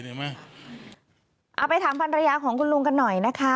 เอาไปถามภรรยาของคุณลุงกันหน่อยนะคะ